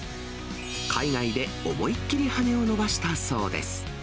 海外で思いっ切り羽を伸ばしたそうです。